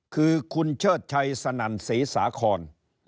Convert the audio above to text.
คือคุณเชิดชัยสนั่นศรีสาคร